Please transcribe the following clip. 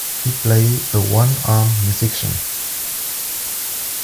He played a one-armed musician.